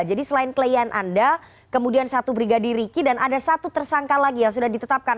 jadi selain keleian anda kemudian satu brigadir riki dan ada satu tersangka lagi yang sudah ditetapkan